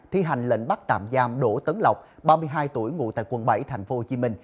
thi hành lệnh bắt tạm giam đỗ tấn lộc ba mươi hai tuổi ngụ tại quận bảy tp hcm